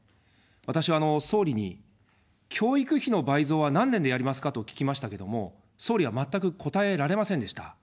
私は総理に、教育費の倍増は何年でやりますかと聞きましたけども、総理は全く答えられませんでした。